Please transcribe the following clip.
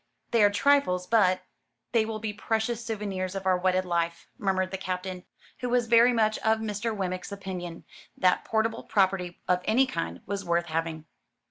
They are trifles, but " "They will be precious souvenirs of our wedded life," murmured the Captain, who was very much of Mr. Wemmick's opinion, that portable property of any kind was worth having.